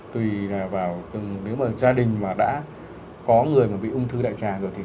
trọng lượng cơ thể